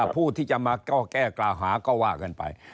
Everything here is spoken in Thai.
ผู้ที่จะมาแก้กล่าวหาก็ว่ากันไป